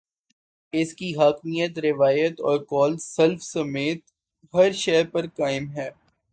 اس کی حاکمیت، روایت اور قول سلف سمیت ہر شے پر قائم ہے۔